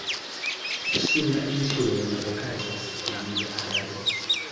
Sur la insuloj ne okazas ekonomia agado.